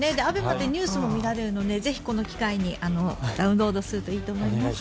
ＡＢＥＭＡってニュースも見られるのでぜひこの機会にダウンロードするといいと思います。